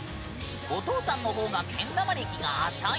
お父さんのほうがけん玉歴が浅い？